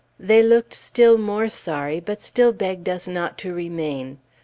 They looked still more sorry, but still begged us not to remain.